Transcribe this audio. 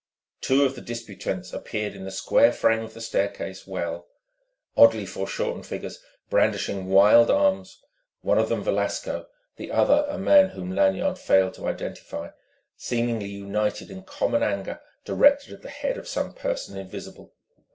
Two of the disputants appeared in the square frame of the staircase well, oddly foreshortened figures brandishing wild arms, one of them Velasco, the other a man whom Lanyard failed to identify, seemingly united in common anger directed at the head of some person invisible.